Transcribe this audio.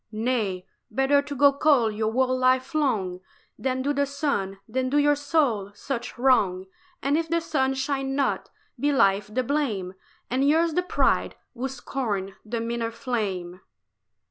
"Nay, better to go cold your whole life long Than do the sun, than do your soul such wrong: And if the sun shine not, be life's the blame And yours the pride, who scorned the meaner flame."